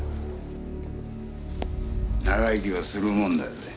長生きはするもんだぜ。